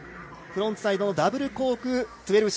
フロントサイドダブルコーク１２６０。